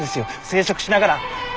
生殖しながら。